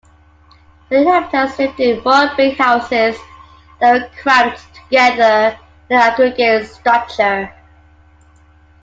The inhabitants lived in mudbrick houses that were crammed together in an aggregate structure.